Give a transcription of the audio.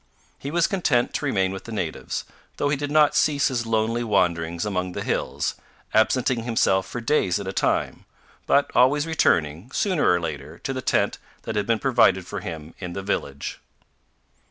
He was content to remain with the natives, though he did not cease his lonely wanderings among the hills, absenting himself for days at a time, but always returning, sooner or later, to the tent that had been provided for him in the village.